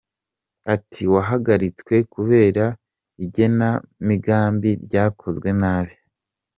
Ati “Wahagaritswe kubera igenamigambi ryakozwe nabi.